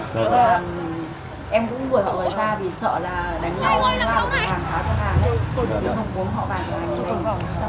không nói nào còn em